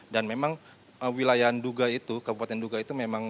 dan memang wilayah duga itu kabupaten duga itu memang